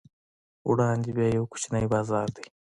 وړاندې بیا یو کوچنی بازار دی.